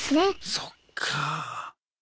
そっか。